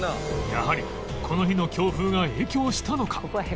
やはりこの日の強風が影響したのか？